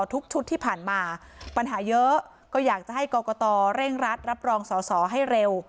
ทุกชุดที่ผ่านมาปัญหาเยอะก็อยากจะให้กรกตเร่งรัดรับรองสอสอให้เร็ว